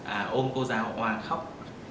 à ôm cô giàu hoàng khóc